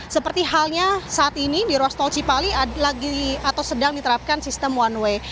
seperti halnya saat ini di ruas tol cipali atau sedang diterapkan sistem one way